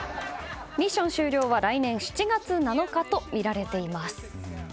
ミッション終了は来年７月７日とみられています。